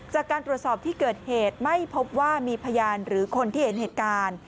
จากการตรวจสอบที่เกิดเหตุไม่พบว่ามีพยานหรือคนที่เห็นเหตุการณ์